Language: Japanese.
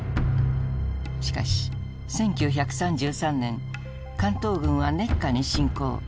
しかし１９３３年関東軍は熱河に侵攻。